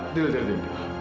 tidak tidak tidak